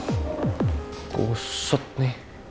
pangeran ikut dinner